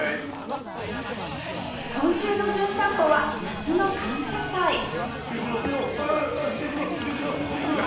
今週の『じゅん散歩』は夏の感謝祭いくぞいいよいくぞいくぞいくぞ。